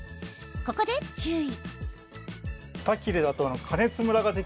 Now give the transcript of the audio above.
ここで注意。